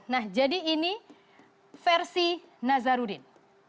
nah jadi ini versi nazarudin